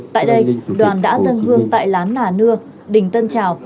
tại đây đoàn đã dân hương tại lán nà nưa đỉnh tân trào